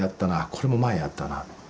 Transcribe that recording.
これも前やったな」。